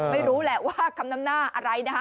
ไม่รู้แหละว่าคำน้ำหน้าอะไรนะคะ